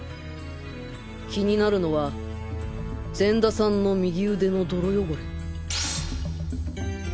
気になるのは善田さんの右腕の泥汚れ